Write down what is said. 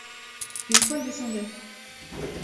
Une toile descendait.